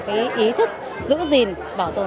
cái ý thức giữ gìn bảo tồn